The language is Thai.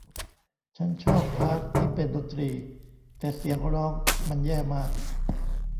ฉันชอบพาร์ทที่เป็นดนตรีแต่เสียงร้องมันแย่มาก